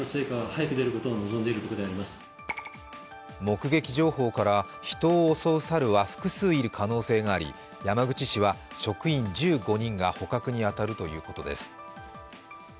目撃情報から、人を襲う猿は複数いる可能性があり山口市は職員１５人が捕獲に当たるということです。